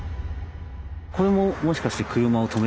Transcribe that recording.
これももしかして車を止めるな？